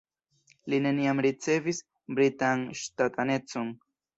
Li neniam ricevis britan ŝtatanecon.